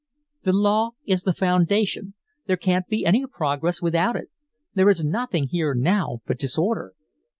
"The law is the foundation there can't be any progress without it. There is nothing here now but disorder."